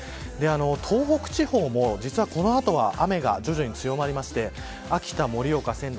東北地方も、実はこの後は雨が徐々に強まって秋田、盛岡、仙台